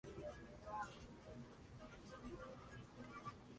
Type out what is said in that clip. Es de destacar la personalidad de Emilia Brunet.